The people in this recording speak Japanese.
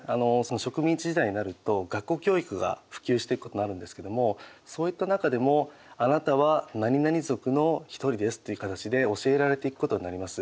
植民地時代になると学校教育が普及していくことになるんですけどもそういった中でもあなたはなになに族の一人ですっていう形で教えられていくことになります。